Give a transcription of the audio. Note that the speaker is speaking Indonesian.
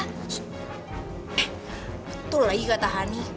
eh betul lagi kata hany